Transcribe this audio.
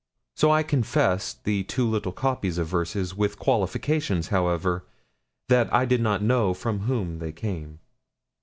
So I confessed the two little copies of verses, with the qualification, however, that I did not know from whom they came.